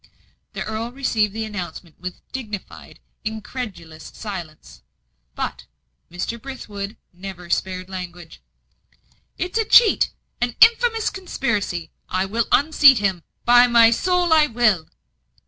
The earl received the announcement with dignified, incredulous silence; but Mr. Brithwood never spared language. "It's a cheat an infamous conspiracy! I will unseat him by my soul I will!"